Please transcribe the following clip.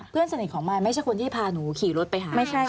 เพื่อนสนิทของมายไม่ใช่คนที่พาหนูขี่รถไปหาไม่ใช่